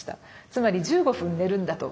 つまり１５分寝るんだと。